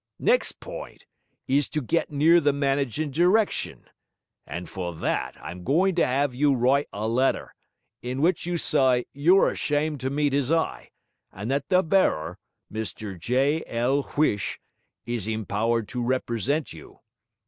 Next point is to get near the managin' direction. And for that I'm going to 'ave you write a letter, in w'ich you s'y you're ashamed to meet his eye, and that the bearer, Mr J. L. 'Uish, is empowered to represent you.